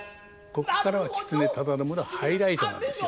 ここからは狐忠信のハイライトなんですよ。